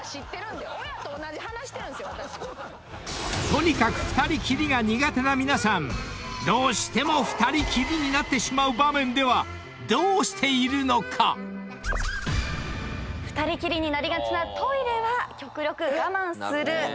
［とにかく２人きりが苦手な皆さんどうしても２人きりになってしまう場面ではどうしているのか⁉］嘘やん。